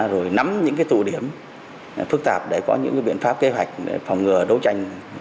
rồi nắm những tụ điểm phức tạp để có những biện pháp kế hoạch để phòng ngừa đấu tranh